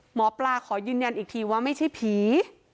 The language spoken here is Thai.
หมอปลาขอยืนยันอีกทีว่าไม่ใช่ผี